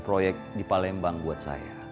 proyek di palembang buat saya